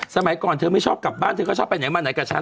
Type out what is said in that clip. สมัยก่อนเธอไม่ชอบกลับบ้านเธอก็ชอบไปไหนมาไหนกับฉัน